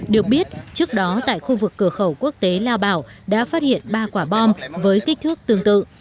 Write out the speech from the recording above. được biết trước đó tại khu vực cửa khẩu quốc tế lao bảo đã phát hiện ba quả bom với kích thước tương tự